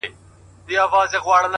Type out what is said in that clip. خو اسیر سي په پنجو کي د بازانو -